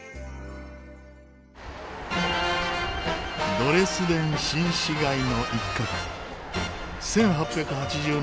ドレスデン新市街の一角１８８０年